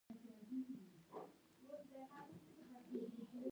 موبایل مو باید د امنیت لپاره قلف وي.